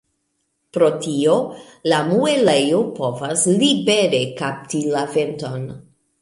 Pro tio la muelejo povas libere “kapti” la venton.